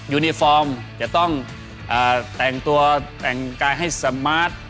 ยูนิฟอร์มจะต้องแต่งตัวแต่งกายให้สมาร์ท